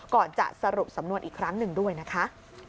ก่อนจะสรุปสำนวนอีกครั้งหนึ่งด้วยนะคะ